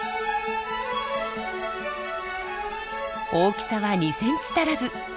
大きさは２センチ足らず。